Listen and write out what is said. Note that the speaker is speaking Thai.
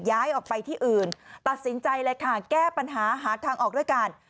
ย้ายออกไปที่อื่นตัดสินใจเลยค่ะแก้ปัญหาหาทางออกด้วยกัน